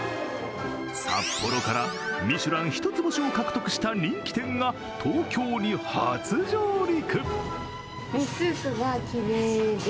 札幌からミシュラン一つ星を獲得した人気店が東京に初上陸！